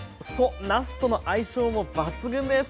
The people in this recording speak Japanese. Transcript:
なすとの相性も抜群です！